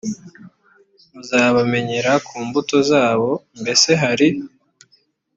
muzabamenyera ku mbuto zabo mbese hari